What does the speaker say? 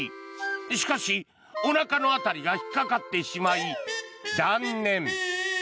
しかし、おなかの辺りが引っかかってしまい、断念。